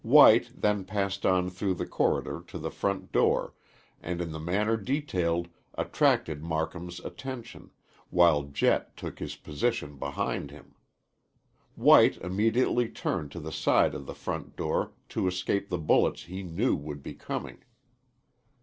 White then passed on through the corridor to the front door, and in the manner detailed attracted Marcum's attention, while Jett took his position behind him. White immediately turned to the side of the front door to escape the bullets he knew would be coming.